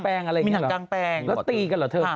แล้วมีหนังกลางแปลงยังอะไรยัง